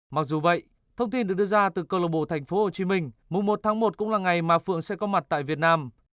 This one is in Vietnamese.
mặc dù vậy thông tin được đưa ra từ cơ lộng bộ thành phố hồ chí minh mùng một tháng một cũng là ngày mà phượng sẽ có mặt tại việt nam